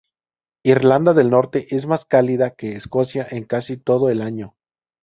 Irlanda del Norte es más cálida que Escocia en todo el año.